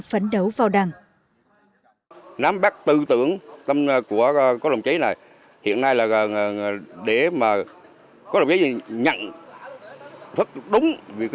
phấn đấu vào đảng